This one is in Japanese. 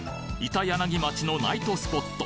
板柳町のナイトスポット